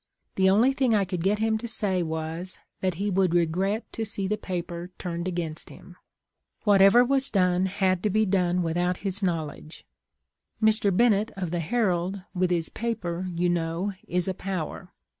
The only thing I 532 THE LIFE OF LINCOLN. could get him to say was that he would regret to see the paper turned against him. Whatever was done had to be done without his knowledge. Mr. Bennett of the Herald, with his paper, you know, is a power.